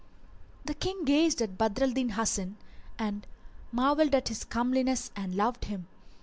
The King gazed at Badr al Din Hasan and marvelled at his comeliness and loved him.